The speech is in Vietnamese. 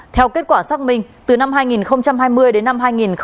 theo kết quả xác minh từ năm hai nghìn hai mươi đến năm hai nghìn hai mươi